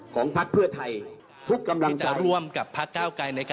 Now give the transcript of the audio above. ของพักเพื่อไทยทุกกำลังใจ